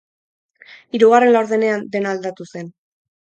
Hirugarren laurdenean dena aldatu zen.